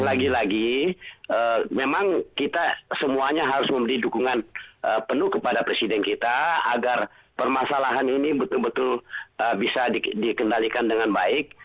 lagi lagi memang kita semuanya harus memberi dukungan penuh kepada presiden kita agar permasalahan ini betul betul bisa dikendalikan dengan baik